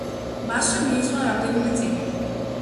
მასვე მიეძღვნა რამდენიმე წიგნი.